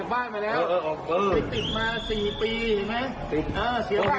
เอาล่ะเอาแล้ว